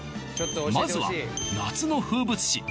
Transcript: まずは夏の風物詩